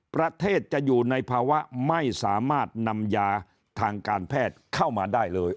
ประเทศจะอยู่ในภาวะไม่สามารถนำยาทางการแพทย์เข้ามาได้เลย